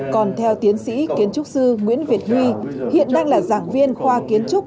còn theo tiến sĩ kiến trúc sư nguyễn việt huy hiện đang là giảng viên khoa kiến trúc